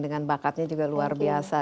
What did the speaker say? dengan bakatnya juga luar biasa